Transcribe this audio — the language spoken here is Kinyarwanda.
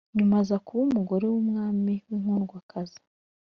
Nyuma aza kuba umugore w'umwami w'inkundwakaza.